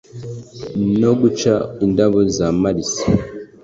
no guca indabo z’amalisi.